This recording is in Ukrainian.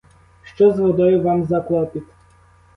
Що з водою вам за клопіт?